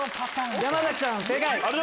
山崎さん正解！